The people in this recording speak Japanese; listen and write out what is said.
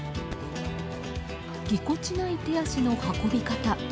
ぎこちない手足の運び方。